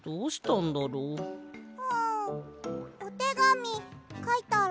んおてがみかいたら？